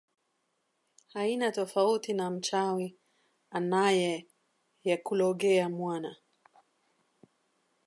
haina tofauti na mchawi analeyekulogea mwana